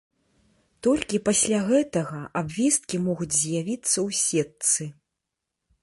Толькі пасля гэтага абвесткі могуць з'явіцца ў сетцы.